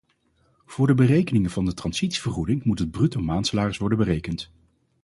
Voor de berekening van de transitievergoeding moet het bruto maandsalaris worden berekend.